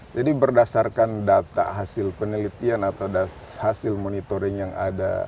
jadi berdasarkan data hasil penelitian atau hasil monitoring yang ada